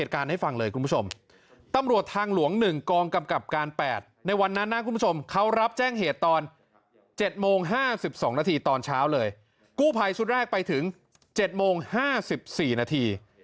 กู้ภัยชุดแรกไปถึงเจ็ดโมงห้าสิบสี่นาที